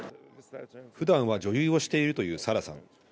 ふだんは女優をしているというサラさん。